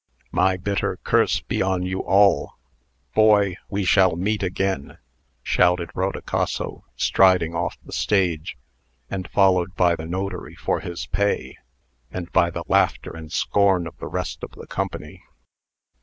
"My bitter curse be on you all! Boy, we shall meet again!" shouted Rodicaso, striding off the stage, and followed by the notary for his pay, and by the laughter and scorn of the rest of the company.